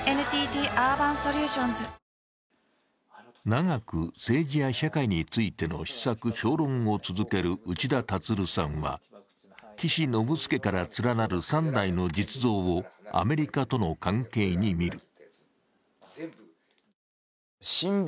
長く政治や社会についての思索、評論を続ける内田樹さんは、岸信介から連なる３代の実像をアメリカとの関係に見る。